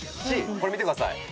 これ見てください。